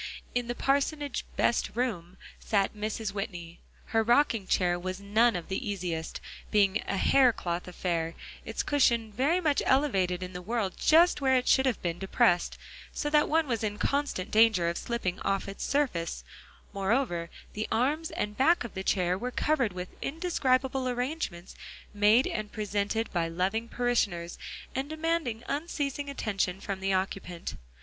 In the parsonage "best room" sat Mrs. Whitney. Her rocking chair was none of the easiest, being a hair cloth affair, its cushion very much elevated in the world just where it should have been depressed, so that one was in constant danger of slipping off its surface; moreover, the arms and back of the chair were covered with indescribable arrangements made and presented by loving parishioners and demanding unceasing attention from the occupant.